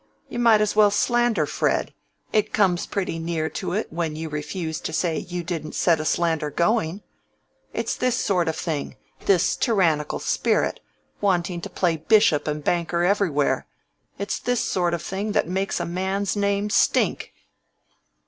You might as well slander Fred: it comes pretty near to it when you refuse to say you didn't set a slander going. It's this sort of thing—this tyrannical spirit, wanting to play bishop and banker everywhere—it's this sort of thing makes a man's name stink."